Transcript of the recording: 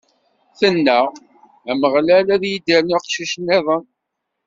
Tenna: Ameɣlal ad yi-d-irnu aqcic-nniḍen!